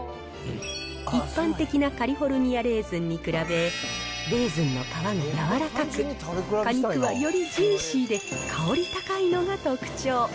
一般的なカリフォルニアレーズンに比べ、レーズンの皮が柔らかく、果肉はよりジューシーで香り高いのが特徴。